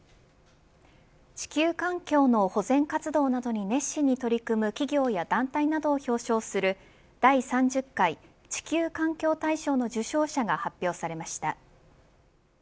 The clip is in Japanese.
地球環境の保全活動などに熱心に取り組む企業や団体などを表彰する第３０回地球環境大賞の受賞者が発表されました。